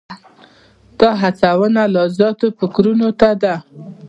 دا هڅونه لا زیاتو فکرونو ته ده.